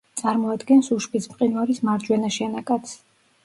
წარმოადგენს უშბის მყინვარის მარჯვენა შენაკადს.